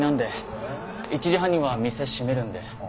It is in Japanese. １時半には店閉めるんで。